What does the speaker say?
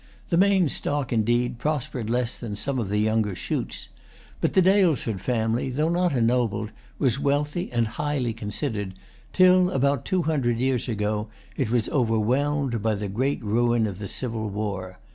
The main stock, indeed, prospered less than some of the younger shoots. But the Daylesford family, though not ennobled, was wealthy and highly considered, till, about two hundred years ago, it was overwhelmed by the great ruin of the civil war.